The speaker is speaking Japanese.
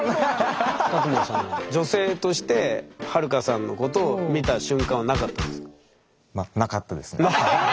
卓馬さんは女性としてはるかさんのことを見た瞬間はなかったんですか？